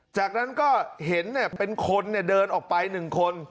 จากนั้นก็เห็นเป็นคนเดินออกไป๑คน